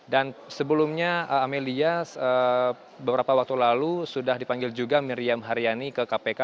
dan sebelumnya amelia beberapa waktu lalu sudah dipanggil juga miriam haryani ke kpk